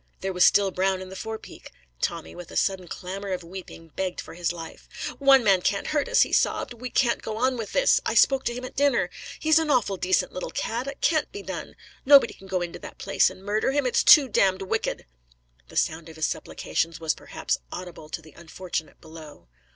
There was still Brown in the forepeak. Tommy, with a sudden clamour of weeping, begged for his life. "One man can't hurt us," he sobbed. "We can't go on with this. I spoke to him at dinner. He's an awful decent little cad. It can't be done. Nobody can go into that place and murder him. It's too damned wicked." The sound of his supplications was perhaps audible to the unfortunate below.